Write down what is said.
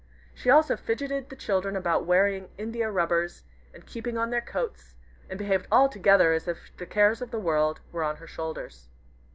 She also fidgeted the children about wearing india rubbers, and keeping on their coats, and behaved altogether as if the cares of the world were on her shoulders.